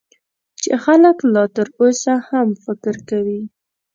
چې خلک لا تر اوسه هم فکر کوي .